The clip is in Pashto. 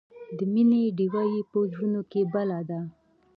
د مینې ډیوه یې په زړونو کې بله ده.